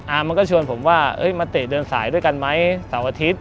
มันก็ชวนผมว่ามาเตะเดินสายด้วยกันไหมเสาร์อาทิตย์